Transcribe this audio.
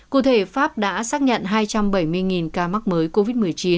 cụ thể pháp đã xác nhận hai trăm bảy mươi ca mắc mới covid một mươi chín